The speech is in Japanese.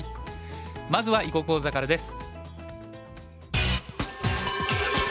まずは囲碁講座からです。